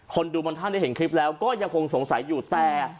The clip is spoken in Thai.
ดูบางท่านได้เห็นคลิปแล้วก็ยังคงสงสัยอยู่แต่